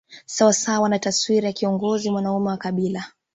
Sawa sawa na taswira ya kiongozi mwanaume wa kabila